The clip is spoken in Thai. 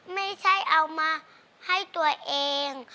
ไม่ใช่เอามาให้ตัวเอง